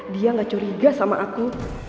dia gak curiga sama aku